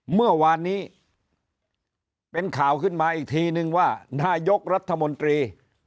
เมื่อวานนี้เป็นข่าวขึ้นมาอีกทีนึงว่านายกรัฐมนตรี